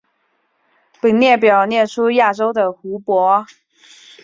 本列表列出亚洲的湖泊。